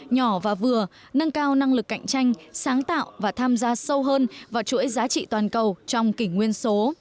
nhỏ và vừa nâng cao năng lực cạnh tranh sáng tạo và tham gia sâu hơn vào chuỗi giá trị toàn cầu trong kỷ nguyên số